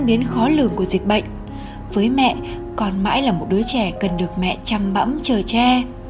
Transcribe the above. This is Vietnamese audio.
biến khó lường của dịch bệnh với mẹ còn mãi là một đứa trẻ cần được mẹ chăm bẫm chờ cha